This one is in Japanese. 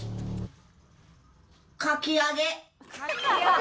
かき揚げ。